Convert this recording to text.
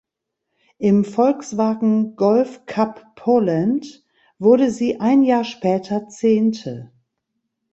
Im "Volkswagen Golf Cup Poland" wurde sie ein Jahr später Zehnte.